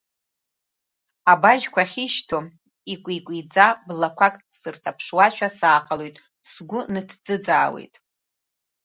Абажәқәа ахьышьҭоу, икәи-кәиӡа блақәак сырҭаԥшуашәа сааҟалоит, сгәы нҭӡыӡаауеит.